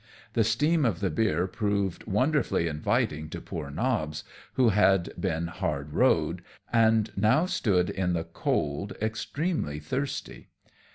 The steam of the beer proved wonderfully inviting to poor Nobbs, who had been hard rode, and now stood in the cold extremely thirsty.